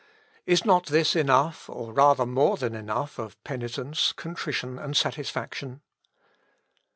Is not this enough, or rather more than enough of penitence, contrition, and satisfaction?"